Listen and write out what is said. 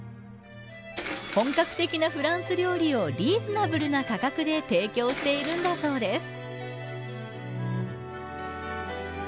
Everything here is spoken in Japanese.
本格的なフランス料理をリーズナブルな価格で提供しているんだそうです。